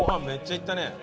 めっちゃいったね。